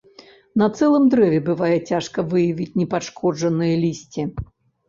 На цэлым дрэве бывае цяжка выявіць непашкоджаныя лісці.